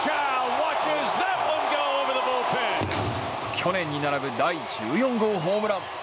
去年に並ぶ第１４号ホームラン。